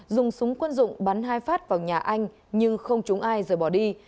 dùng súng quân dụng bắn hai phát vào nhà anh nhưng không chúng ai rồi bỏ đi